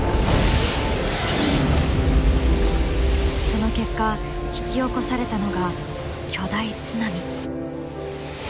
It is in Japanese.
その結果引き起こされたのが巨大津波。